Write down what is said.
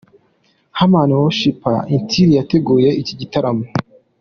Heman worshipers Int'l yateguye iki gitaramo.